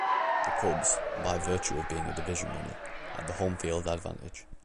The Cubs, by virtue of being a division winner, had the home field advantage.